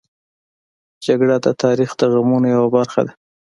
جګړه د تاریخ د غمونو یوه برخه ده